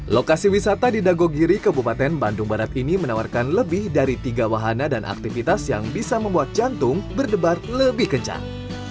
lokasi wisata di dagogiri kabupaten bandung barat ini menawarkan lebih dari tiga wahana dan aktivitas yang bisa membuat jantung berdebar lebih kencang